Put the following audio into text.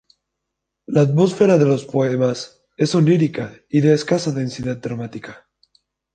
La atmósfera de los poemas es onírica y de escasa densidad dramática.